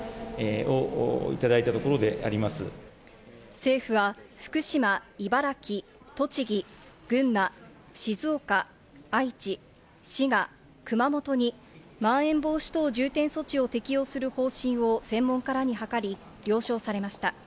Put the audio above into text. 政府は福島、茨城、栃木、群馬、静岡、愛知、滋賀、熊本にまん延防止等重点措置を適用する方針を専門家らに諮り了承されました。